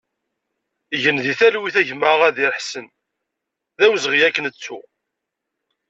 Gen di talwit a gma Aɣadir Aḥsen, d awezɣi ad k-nettu!